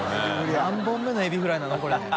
何本目のエビフライなの？